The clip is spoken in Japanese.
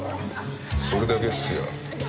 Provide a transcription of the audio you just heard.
それだけっすよ。